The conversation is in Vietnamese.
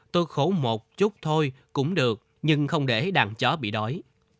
tôi khổ một chút thôi cũng được nhưng không để đàn chó bị đói